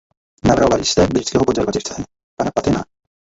Navrhovali jste britského konzervativce, pana Pattena.